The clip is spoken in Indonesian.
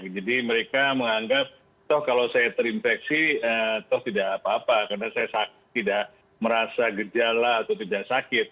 jadi mereka menganggap toh kalau saya terinfeksi toh tidak apa apa karena saya tidak merasa gejala atau tidak sakit